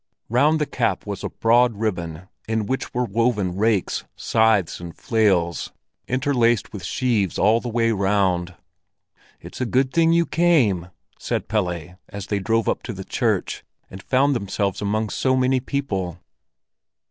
Round the cap was a broad ribbon in which were woven rakes, scythes, and flails, interlaced with sheaves all the way round. "It's a good thing you came," said Pelle, as they drove up to the church, and found themselves among so many people.